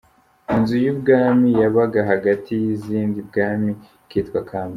Inzu y’umwami yabaga hagati y’izindi ibwami ikitwa Kambere